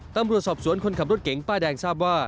ตำรวจสอบสวนคนขับรถเก๋งป้ายแดงทราบว่า